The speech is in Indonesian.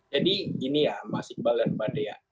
gini ya mas iqbal dan mbak dea